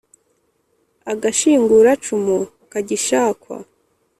agashinguracumu kagishakwa